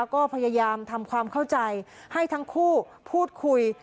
ก็พยายามทำความเข้าใจให้ทั้งคู่พูดคุย